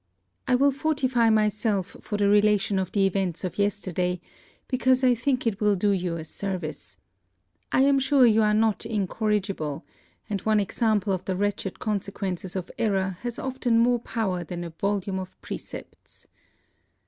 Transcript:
I will fortify myself for the relation of the events of yesterday, because I think it will do you a service. I am sure you are not incorrigible; and one example of the wretched consequences of error has often more power than a volume of precepts.